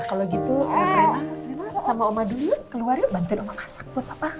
kalau gitu rena sama oma dulu keluarin bantuin oma masak buat papa